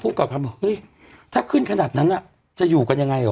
ผู้ประกอบการบอกว่าเฮ้ยถ้าขึ้นขนาดนั้นน่ะจะอยู่กันยังไงหรอ